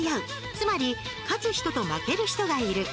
つまり勝つ人と負ける人がいる。